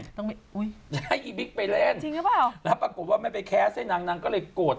หูยแบบไอ้บิ๊กไปเล่นแล้วปรากฏว่าไม่ไปแคสให้นางนางก็เลยโกรธ